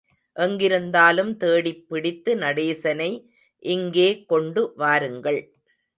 எங்கிருந்தாலும் தேடிப்பிடித்து நடேசனை இங்கே கொண்டு வாருங்கள்.